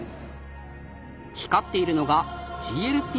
光っているのがＧＬＰ−１。